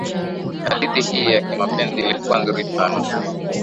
hadithi hii ya kimapenzi ilikuwa nzuri sana